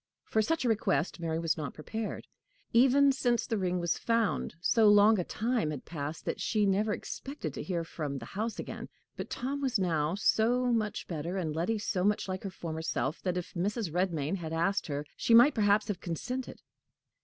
For such a request Mary was not prepared. Even since the ring was found, so long a time had passed that she never expected to hear from the house again. But Tom was now so much better, and Letty so much like her former self, that, if Mrs. Redmain had asked her, she might perhaps have consented.